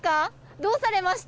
どうされました。